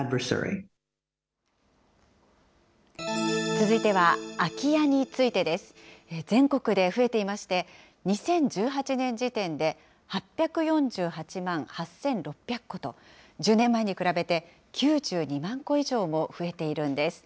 続いては、空き家についてです。全国で増えていまして、２０１８年時点で８４８万８６００戸と、１０年前に比べて９２万戸以上も増えているんです。